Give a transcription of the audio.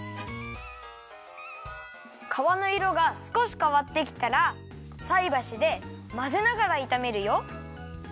かわのいろがすこしかわってきたらさいばしでまぜながらいためるよ。